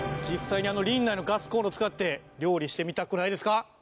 実際にあのリンナイのガスコンロ使って料理してみたくないですか？